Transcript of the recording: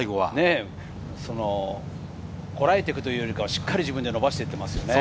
こらえていくというよりは、しっかり自分で伸ばしていますもんね。